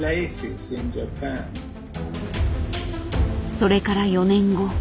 それから４年後。